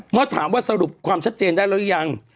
เมื่อถามว่าสรุปความชัดเจนได้แล้วหรือยัง